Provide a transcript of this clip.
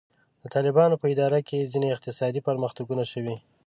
د طالبانو په اداره کې ځینې اقتصادي پرمختګونه شوي.